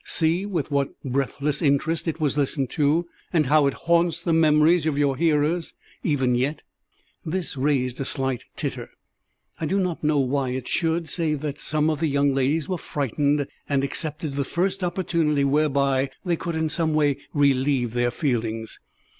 See with what breathless interest it was listened to, and how it haunts the memories of your hearers even yet!" This raised a slight titter. I do not know why it should, save that some of the young ladies were frightened, and accepted the first opportunity whereby they could in some way relieve their feelings.